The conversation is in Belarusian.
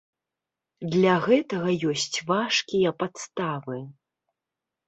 Для гэтага ёсць важкія падставы.